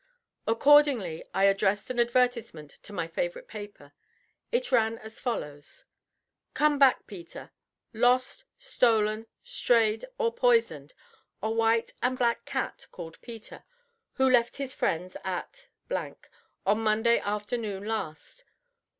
Accordingly I addressed an advertisement to my favorite paper. It ran as follows: "COME BACK, PETER. Lost, stolen, strayed, or poisoned, a white and black cat called Peter, who left his friends at on Monday afternoon last.